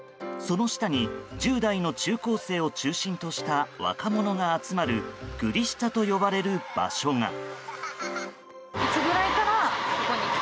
その下に、１０代の中高生を中心とした若者が集まるグリ下と呼ばれる場所が。